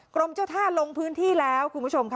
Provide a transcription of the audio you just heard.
กรมเจ้าท่าลงพื้นที่แล้วคุณผู้ชมค่ะ